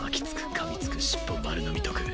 かみつく尻尾丸飲み毒。